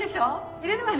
いれるわね。